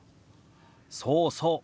そうそう。